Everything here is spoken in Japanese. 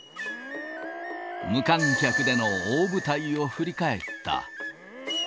無観客での大舞台を振り返った。